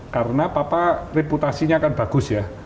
karena papa reputasinya kan bagus ya